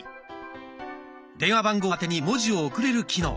電話番号宛てに文字を送れる機能。